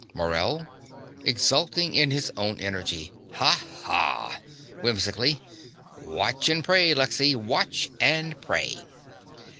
MORELL (exulting in his own energy). Ha! ha! (Whimsically.) Watch and pray, Lexy: watch and pray.